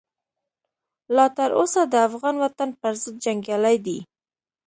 لا تر اوسه د افغان وطن پرضد جنګیالي دي.